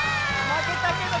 まけたけど。